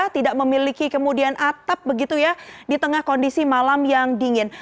tidak memiliki kemudian atap begitu ya di tengah kondisi malam yang dingin